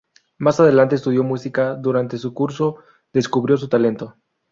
Más adelante estudió música, durante su curso descubrió su talento.